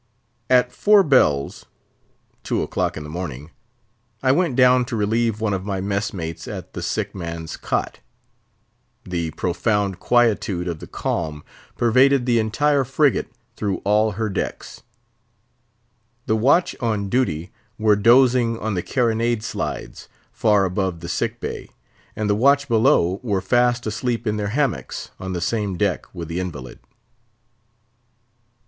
At four bells (two o'clock in the morning), I went down to relieve one of my mess mates at the sick man's cot. The profound quietude of the calm pervaded the entire frigate through all her decks. The watch on duty were dozing on the carronade slides, far above the sick bay; and the watch below were fast asleep in their hammocks, on the same deck with the invalid.